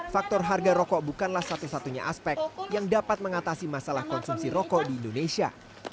faktor harga rokok bukanlah satu satunya aspek yang dapat mengatasi masalah konsumsi rokok di indonesia